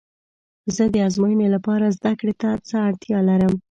زه د ازموینې لپاره زده کړې ته څه اړتیا لرم؟